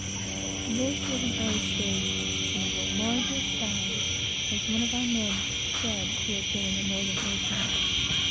This was an iceberg, and of the largest size, as one of our men said who had been in the Northern ocean.